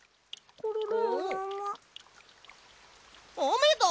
コロロ！？